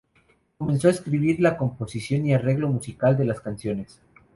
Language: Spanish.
Comenzó a escribir la composición y arreglo musical de las canciones.